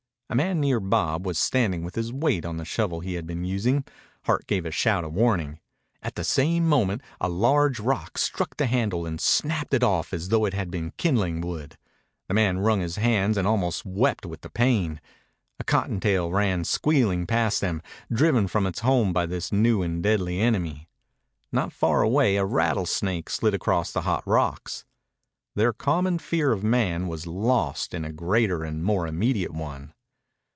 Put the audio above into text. A man near Bob was standing with his weight on the shovel he had been using. Hart gave a shout of warning. At the same moment a large rock struck the handle and snapped it off as though it had been kindling wood. The man wrung his hands and almost wept with the pain. A cottontail ran squealing past them, driven from its home by this new and deadly enemy. Not far away a rattlesnake slid across the hot rocks. Their common fear of man was lost in a greater and more immediate one.